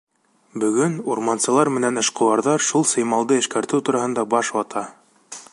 Бөгөн урмансылар менән эшҡыуарҙар шул сеймалды эшкәртеү тураһында баш вата.